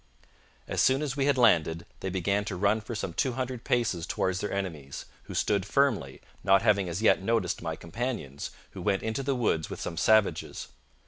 As soon as we had landed, they began to run for some two hundred paces towards their enemies, who stood firmly, not having as yet noticed my companions, who went into the woods with some savages.